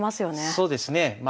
そうですね。